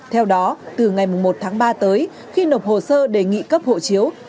theo đó từ ngày một tháng ba tới khi nộp hồ sơ đề nghị cấp hộ chiếu